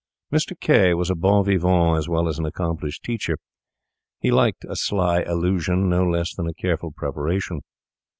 Mr. K— was a bon vivant as well as an accomplished teacher; he liked a sly illusion no less than a careful preparation.